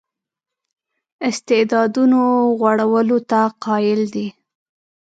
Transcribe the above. استعدادونو غوړولو ته قایل دی.